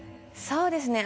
そうですね。